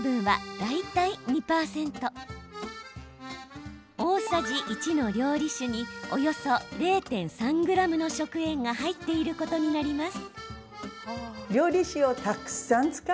大さじ１の料理酒におよそ０．３ｇの食塩が入っていることになります。